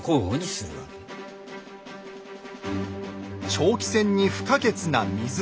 長期戦に不可欠な水。